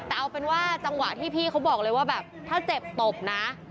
แต่เอาเป็นว่าจังหวะที่พี่เขาบอกเลยว่าแบบถ้าเจ็บตบนะ